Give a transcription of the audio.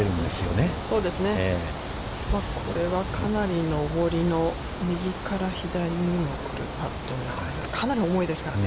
これはかなり上りの、右から左に来るパットになりますね。